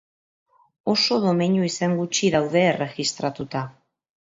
Oso domeinu izen gutxi daude erregistratuta.